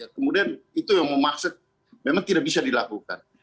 kemudian itu yang memaksa memang tidak bisa dilakukan